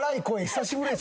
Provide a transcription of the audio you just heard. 久しぶりに。